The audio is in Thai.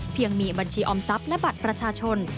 ยังมีบัญชีออมทรัพย์และบัตรประชาชน